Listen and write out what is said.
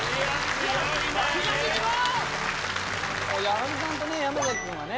矢作さんとね山崎君はね